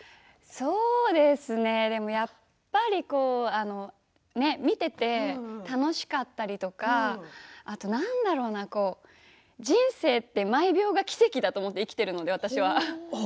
そうですね、やっぱり見ていて楽しかったりとかあと何だろうな、人生って毎秒が奇跡だと思って生きているので私は。